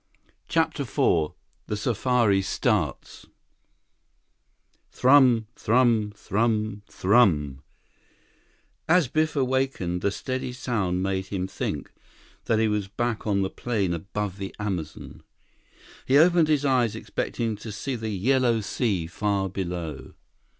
CHAPTER IV The Safari Starts Thrumm—thrumm—thrumm—thrumm— As Biff awakened, the steady sound made him think that he was back on the plane above the Amazon. He opened his eyes expecting to see the yellow sea far below.